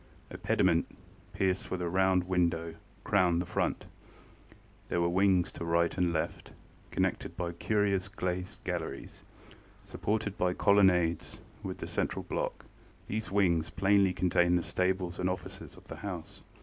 A pediment, pierced with a round window, crowned the front. There were wings to right and left, connected by curious glazed galleries, supported by colonnades, with the central block. These wings plainly contained the stables and offices of the house.